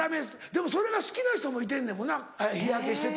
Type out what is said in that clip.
でもそれが好きな人もいてんねんもんな日焼けしてて。